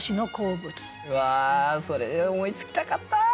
うわそれ思いつきたかった！